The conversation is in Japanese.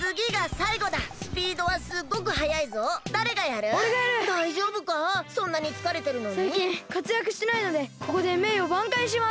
さいきんかつやくしてないのでここでめいよばんかいします！